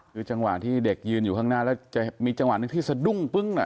แล้วมีละจังหวานที่สแดงปึ้ง